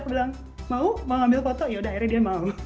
aku bilang mau mau ambil foto yaudah akhirnya dia mau